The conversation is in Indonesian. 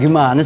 di mana terus